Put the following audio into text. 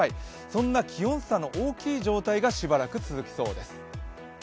そんな気温差の大きい状態がしばらく続きそうです。